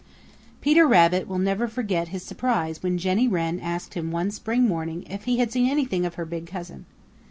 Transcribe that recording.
Peter Rabbit never will forget his surprise when Jenny Wren asked him one spring morning if he had seen anything of her big cousin.